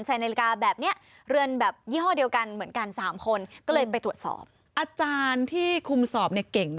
ไปนั่งสอบใส่นาฬิกาเหมือนกัน๓สีนั่งอยู่สอบด้วยกัน